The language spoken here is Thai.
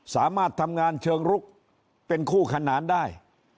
สามารถทำงานเชิงลุกเป็นคู่ขนานได้